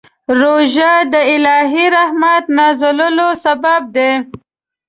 روژه د الهي رحمت نازلولو سبب دی.